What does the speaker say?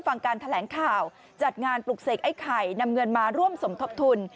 ฟังการแถลงข่าวจัดงานปลุกเสกไอ้ไข่นำเงินมาร่วมสมทบทุน